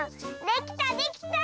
できたできた！